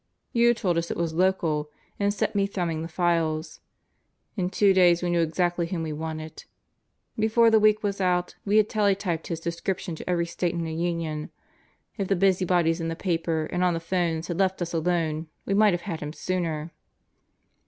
You told us it was 'local' and set me thumbing the files. In two days we knew exactly whom we wanted. Before the week was out we had teletyped his description to every state in the Union. If the busybodies in the papers and on the phones had left us alone we might have had him sooner."